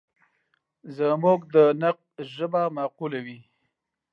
زموږ د نقد ژبه معقوله وي.